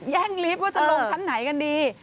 ลิฟต์ว่าจะลงชั้นไหนกันดี